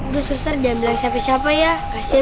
udah suster jangan bilang siapa siapa ya kasih